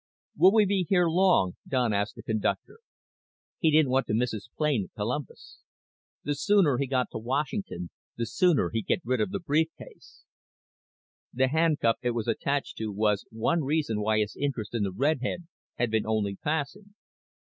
"Will we be here long?" Don asked the conductor. He didn't want to miss his plane at Columbus. The sooner he got to Washington, the sooner he'd get rid of the brief case. The handcuff it was attached to was one reason why his interest in the redhead had been only passing.